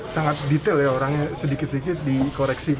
sangat detail ya orangnya sedikit sedikit di koreksi